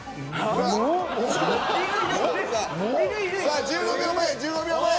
さあ１５秒前１５秒前。